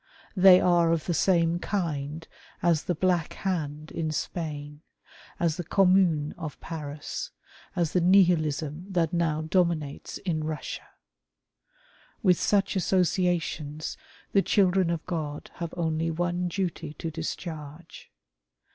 They are of the same kind as the Black Hand in Spain, as the Commune of Paris, as the Nihilism that now dominates in Eussia. With such associations the children of God have only one duty to discharge.